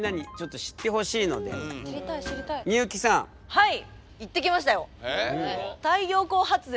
はい。